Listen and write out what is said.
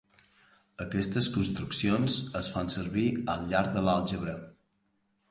Aquestes construccions es fan servir al llarg de l'àlgebra.